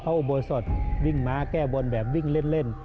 อุโบสถวิ่งม้าแก้บนแบบวิ่งเล่น